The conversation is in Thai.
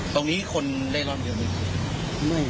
ตรงนี้คนเล่ร้อนเยอะมึง